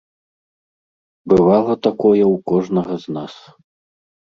Бывала такое ў кожнага з нас.